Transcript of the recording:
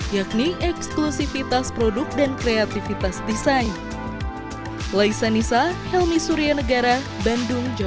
yakni eksklusifitas produk dan kreativitas desain